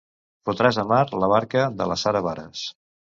Fotràs a mar la barca de la Sara Baras.